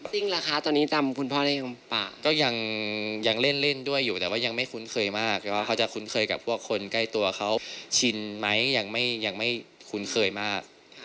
ปกติเห็นเจอน้องเดิมไหมคะ